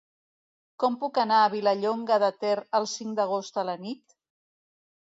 Com puc anar a Vilallonga de Ter el cinc d'agost a la nit?